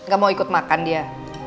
gak mau ikut makan dia